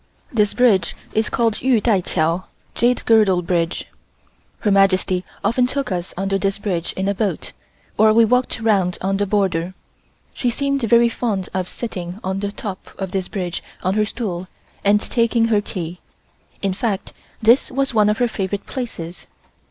This bridge is called Tu Tai Chiao (Jade Girdle Bridge). Her Majesty often took us under this bridge in a boat, or we walked round on the border. She seemed very fond of sitting on the top of this bridge on her stool and taking her tea, in fact this was one of her favorite places.